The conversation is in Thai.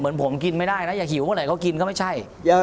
เหมือนผมกินไม่ได้นะอย่าหิวเมื่อไหนเขากินก็ไม่ใช่